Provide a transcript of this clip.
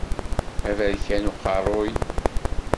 Aberkan uqerruy.